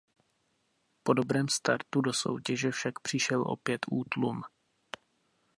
Po dobrém startu do soutěže však přišel opět útlum.